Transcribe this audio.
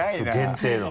限定の。